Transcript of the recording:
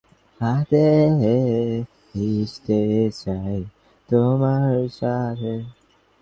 লেফাফায় রমেশের হস্তাক্ষর দেখিয়া কমলার মুখ তৎক্ষণাৎ পাংশুবর্ণ হইয়া গেল–সে একটুখানি মুখ ফিরাইল।